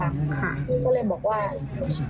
ขับรถแบบไม่ดูเอง